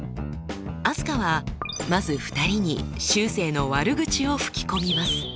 あすかはまず２人にしゅうせいの悪口を吹き込みます。